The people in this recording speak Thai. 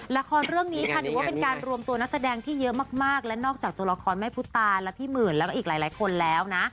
ละครเรื่องนี้ค่ะถือว่าเป็นการรวมตัวนักแสดงที่เยอะมากและนอกจากตัวละครแม่พุตาและพี่หมื่นแล้วก็อีกหลายคนแล้วนะ